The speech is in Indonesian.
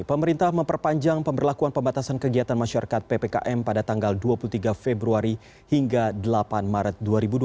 pemerintah memperpanjang pemberlakuan pembatasan kegiatan masyarakat ppkm pada tanggal dua puluh tiga februari hingga delapan maret dua ribu dua puluh